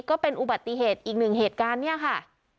ก็เป็นอุบัติเหตุอีกหนึ่งเหตุการณ์เนี่ยค่ะ